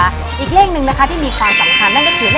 และเรื่องหนึ่งนะคะที่มีความโดดเด่นนะคะ